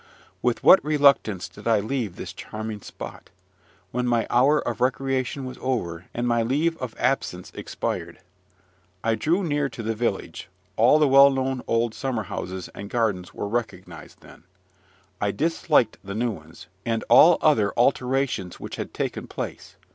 With what reluctance did I leave this charming spot; when my hour of recreation was over, and my leave of absence expired! I drew near to the village: all the well known old summerhouses and gardens were recognised again; I disliked the new ones, and all other alterations which had taken place.